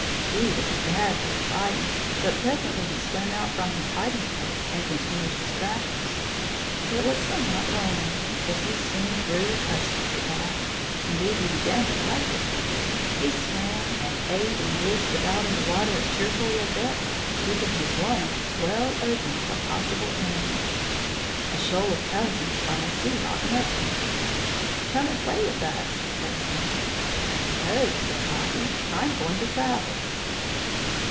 He was badly frightened, but presently he swam out from his hiding place and continued his travels. It was somewhat lonely, but he soon grew accustomed to that. Indeed, he began to like it. He swam and ate and whisked about in the water as cheerfully as ever, keeping his one eye well opened for possible enemies. A shoal of cousins from a sea rock met him. "Come and play with us," they said. "No," said Bobby; "I'm going to travel."